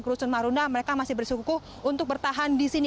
rusun marunda mereka masih bersikukuh untuk bertahan di sini